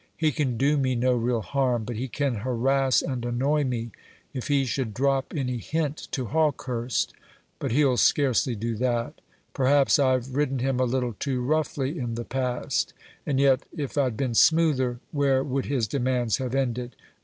"He can do me no real harm; but he can harass and annoy me. If he should drop any hint to Hawkehurst? but he'll scarcely do that. Perhaps I've ridden him a little too roughly in the past. And yet if I'd been smoother, where would his demands have ended?